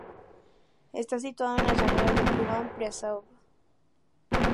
Está situado en las llanuras de Kubán-Priazov.